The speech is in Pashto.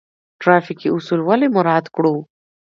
ټرافیکي اصول ولې مراعات کړو؟